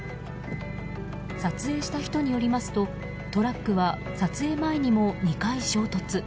撮影した人によりますとトラックは撮影前にも２回衝突。